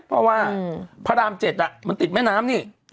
เพราะว่าพระราม๗มันติดแม่น้ำนี่